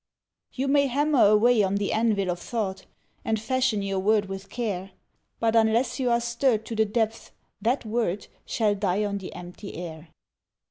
You may hammer away on the anvil of thought, And fashion your word with care, But unless you are stirred to the depths, that word Shall die on the empty air.